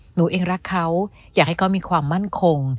หนูเองรักเขาอยากให้เขามีความมั่นคง